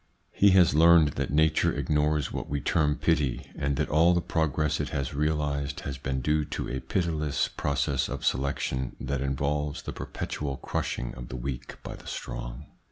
He has learned that nature ignores what we term pity, and that all the progress it has realised has been due to a pitiless process of selection that involves the perpetual crushing of the weak by the strong.